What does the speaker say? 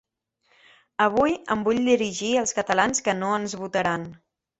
Avui em vull dirigir als catalans que no ens votaran.